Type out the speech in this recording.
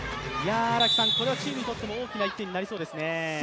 これはチームにとっても大きな１点になりそうですね。